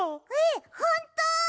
えっほんと？